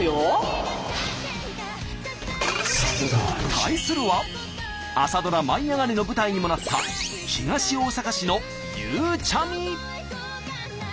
対するは朝ドラ「舞いあがれ！」の舞台にもなった東大阪市のゆうちゃみ。